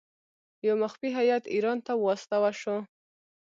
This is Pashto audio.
یو مخفي هیات ایران ته واستاوه شو.